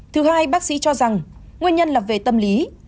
thứ hai bác sĩ cho rằng nguyên nhân là về tâm lý